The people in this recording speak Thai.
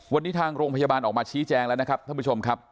วันนี้ทางโรงพยาบาลออกมาชี้แจงแล้วนะครับท่านผู้ชมครับ